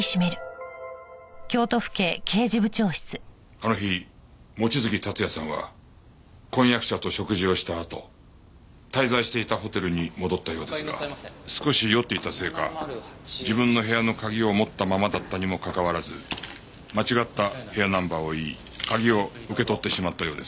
あの日望月達也さんは婚約者と食事をしたあと滞在していたホテルに戻ったようですが少し酔っていたせいか自分の部屋の鍵を持ったままだったにもかかわらず間違った部屋ナンバーを言い鍵を受け取ってしまったようです。